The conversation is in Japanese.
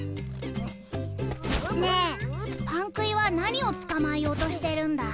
ねえパンくいは何をつかまえようとしてるんだい？